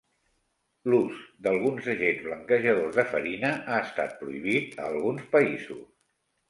L'ús d'alguns agents blanquejadors de farina ha estat prohibit a alguns països.